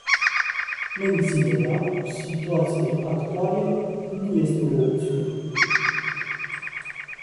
Menținerea situației actuale nu este o opțiune.